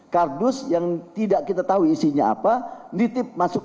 kardus yang tidak kita tahu isinya apa ditip masuk